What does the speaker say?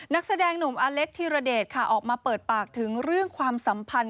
นักแสดงหนุ่มอเล็กธิรเดชค่ะออกมาเปิดปากถึงเรื่องความสัมพันธ์